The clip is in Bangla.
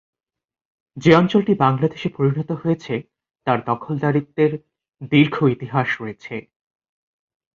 যে অঞ্চলটি বাংলাদেশে পরিণত হয়েছে তার দখলদারিত্বের দীর্ঘ ইতিহাস রয়েছে।